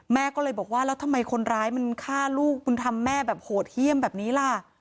แม่ก็เลยบอกว่าแล้วทำไมคนร้ายมันฆ่าลูกมันทำแม่แบบโหดเยี่ยมแบบนี้ล่ะ